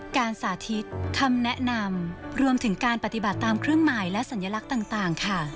สาธิตคำแนะนำรวมถึงการปฏิบัติตามเครื่องหมายและสัญลักษณ์ต่างค่ะ